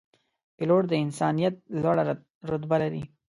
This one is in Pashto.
پیلوټ د انسانیت لوړه رتبه لري.